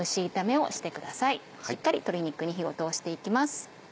しっかり鶏肉に火を通して行きます。